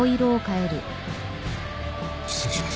失礼します。